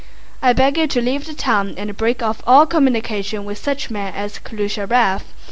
I beg you to leave the town and break off all communication with such men as Klyucharëv.